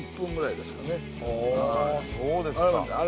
ああそうですか。